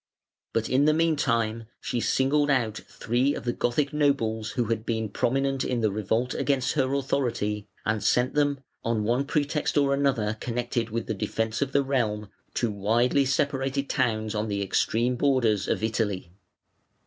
But in the meantime she singled out three of the Gothic nobles who had been prominent in the revolt against her authority and sent them, on one pretext or another connected with the defence of the realm, to widely separated towns on the extreme borders of Italy.